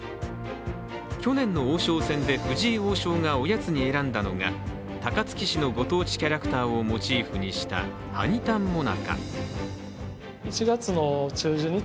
去年の王将戦で藤井王将がおやつに選んだのが、高槻市のご当地キャラクターをモチーフにしたはにたん最中。